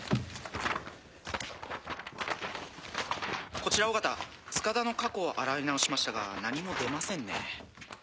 こちら緒方塚田の過去を洗い直しましたが何も出ませんね。